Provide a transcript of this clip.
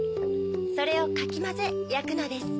それをかきまぜやくのです。